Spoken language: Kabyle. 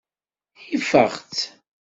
Ifeɣ-tt.